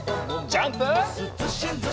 ジャンプ！